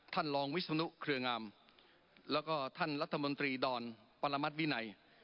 ท่านรองวิศนุเครืองามแล้วก็ท่านรัฐมนตรีดอนปรมัติวินัย